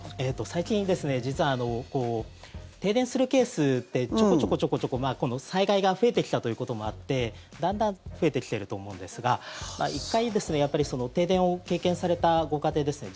最近、実は停電するケースってちょこちょこ災害が増えてきたということもあってだんだん増えてきていると思うんですが１回停電を経験されたご家庭ですね